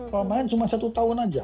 pemain cuma satu tahun aja